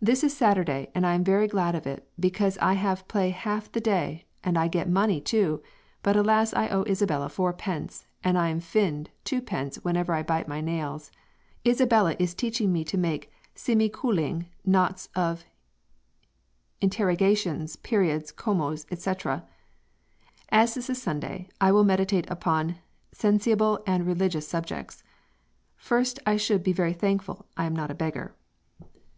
"This is Saturday and I am very glad of it because I have play half the Day and I get money too but alas I owe Isabella 4 pence for I am finned 2 pence whenever I bite my nails. Isabella is teaching me to make simmecoling nots of interrigations peorids commoes, etc.... As this is Sunday I will meditate upon Senciable and Religious subjects. First I should be very thankful I am not a beggar."